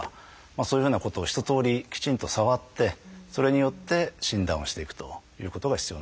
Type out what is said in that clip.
そういうふうなことを一とおりきちんと触ってそれによって診断をしていくということが必要なんですよね。